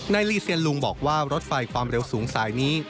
ลีเซียนลุงบอกว่ารถไฟความเร็วสูงสายนี้